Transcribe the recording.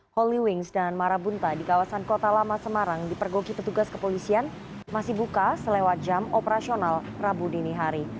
holy wings dan marabunta di kawasan kota lama semarang dipergoki petugas kepolisian masih buka selewat jam operasional rabu dini hari